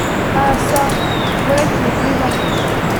Ah çà ! voilà qui est plaisant !…